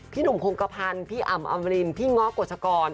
พี่หนุ่มภงกะพันธ์พี่อำเร่ย์พี่ง๊อบกฎชกร